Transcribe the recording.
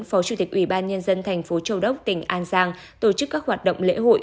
phó chủ tịch ủy ban nhân dân thành phố châu đốc tỉnh an giang tổ chức các hoạt động lễ hội